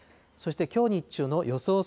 そしてきょう日中の予想